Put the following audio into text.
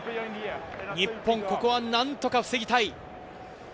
日本、ここは何とか防ぎたい。